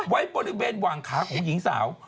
ไว้บริเวณหว่างขาของหญิงสาว